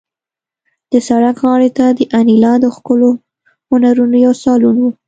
د سړک غاړې ته د انیلا د ښکلو هنرونو یو سالون و